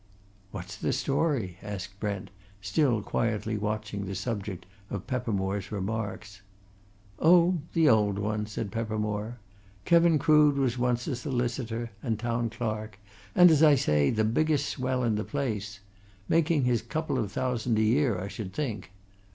"What's the story?" asked Brent, still quietly watching the subject of Peppermore's remarks. "Oh, the old one," said Peppermore. "Krevin Crood was once a solicitor, and Town Clerk, and, as I say, the biggest swell in the place. Making his couple of thousand a year, I should think.